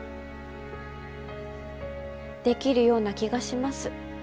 できるような気がします。